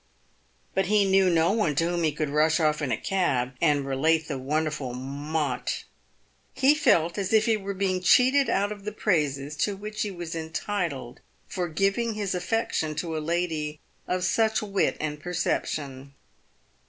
But he knew no one to whom he could rush off in a cab and relate the wonderful mot. He felt as if he were I being cheated out of the praises to which he was entitled for giving his affection to a lady of such wit and perception.